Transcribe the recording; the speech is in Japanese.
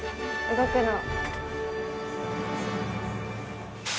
動くの。